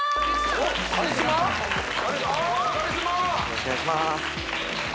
よろしくお願いします